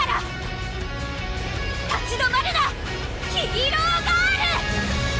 「立ち止まるなヒーローガール」！